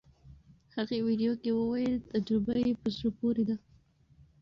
هغې ویډیو کې وویل تجربه یې په زړه پورې وه.